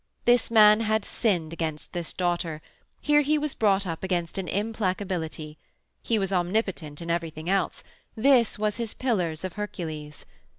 This man had sinned against this daughter; here he was brought up against an implacability. He was omnipotent in everything else; this was his Pillars of Hercules.